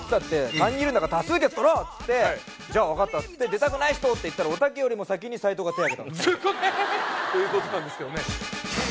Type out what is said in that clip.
「３人いるんだから多数決取ろう」って「じゃあ分かった出たくない人」って言ったらおたけよりも先に斉藤が手を挙げたということなんですけどね